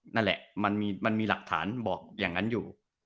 นั่นแหละมันมีหลักฐานบอกอย่างนั้นอยู่